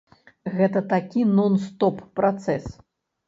Гэта такі нон-стоп працэс.